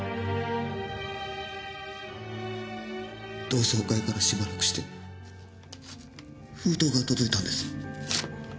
同窓会からしばらくして封筒が届いたんです。